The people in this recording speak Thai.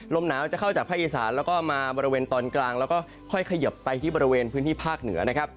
ลมหนาวจะเข้าจากภาคอีสานแล้วก็มาบริเวณตอนกลางแล้วก็ค่อยเขยิบไปที่บริเวณพื้นที่ภาคเหนือนะครับ